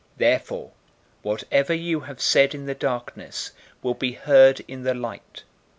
012:003 Therefore whatever you have said in the darkness will be heard in the light.